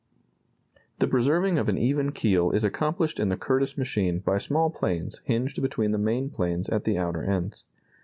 ] The preserving of an even keel is accomplished in the Curtiss machine by small planes hinged between the main planes at the outer ends.